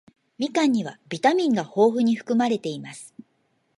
みかんにはビタミンが豊富に含まれています。